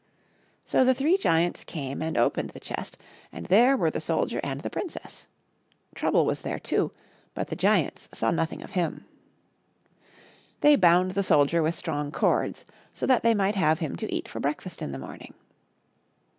So the three giants came and opened the chest, and there were the soldier and the princess. Trouble was there too, but the giants saw nothing of him. They bound the soldier with strong cords so that they might have him to eat for breakfast in the morning.